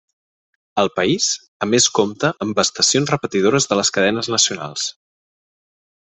El país a més compta amb estacions repetidores de les cadenes nacionals.